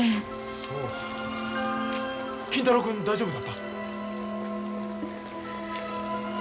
そう金太郎君大丈夫だった？